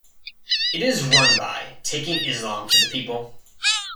It is run by Taking Islam to the People.